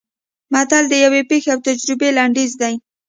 متل د یوې پېښې او تجربې لنډیز دی